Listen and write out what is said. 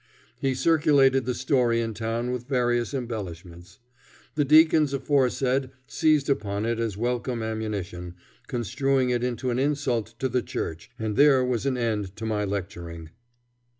He circulated the story in town with various embellishments. The deacons aforesaid seized upon it as welcome ammunition, construing it into an insult to the church, and there was an end to my lecturing.